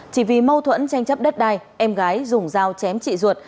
chỉ vì mâu thuẫn tranh chấp đất đai em gái dùng dao chém chị ruột